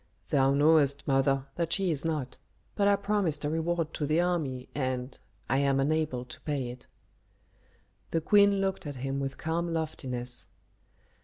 "Thou knowest, mother, that she is not. But I promised a reward to the army, and I am unable to pay it." The queen looked at him with calm loftiness.